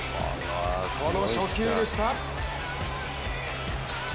その初球でした。